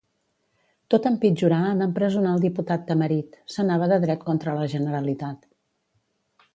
Tot empitjorà en empresonar el diputat Tamarit; s'anava de dret contra la Generalitat.